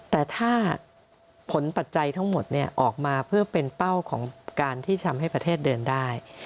แต่ถ้าผลปัจจัยทั้งหมดออกมาเพื่อเป็นเป้าของการที่ทำให้ประเทศเดินได้